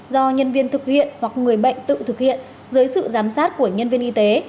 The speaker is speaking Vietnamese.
do nhân viên thực hiện hoặc người bệnh tự thực hiện dưới sự giám sát của nhân viên y tế